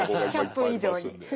１００分以上に。